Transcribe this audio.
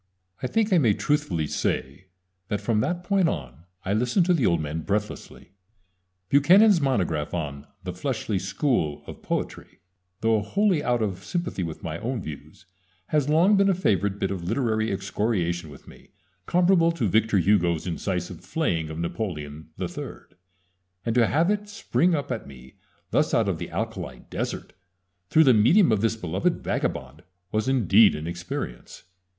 I think I may truthfully say that from that point on I listened to the old man breathlessly. Buchanan's monograph on "The Fleshly School of Poetry" though wholly out of sympathy with my own views has long been a favorite bit of literary excoriation with me, comparable to Victor Hugo's incisive flaying of Napoleon III, and to have it spring up at me thus out of the alkali desert, through the medium of this beloved vagabond, was indeed an experience.